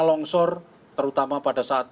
longsor terutama pada saat